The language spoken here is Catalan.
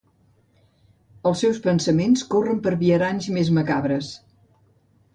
Els seus pensaments corren per viaranys més macabres.